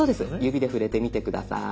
指で触れてみて下さい。